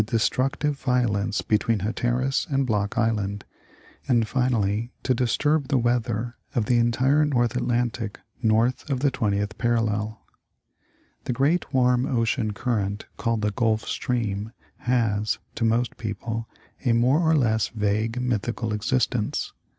45 destructive violence between Hatteras and Block Island, and finally to disturb the weather of the entire North Atlantic north of the 20th parallel. The great warm ocean current called the Gulf Stream has, to most people, a more or less vague, mythical existence.